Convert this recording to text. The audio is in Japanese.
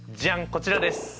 こちらです。